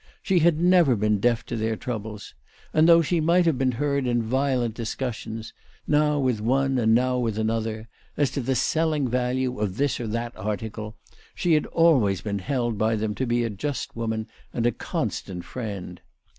She had never been deaf to their troubles ; and though she might have been heard in violent discussions, now with one and now with another, as to the selling value of this or that article, she had always been held by them to be a just woman and a constant friend.